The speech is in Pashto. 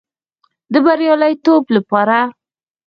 د بریالیتوب لپاره